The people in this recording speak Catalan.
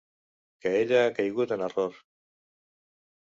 Que ella ha caigut en error.